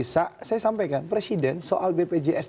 saya sampaikan presiden soal bpjs